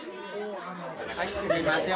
はいすみません